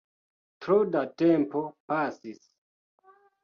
Tro da tempo pasis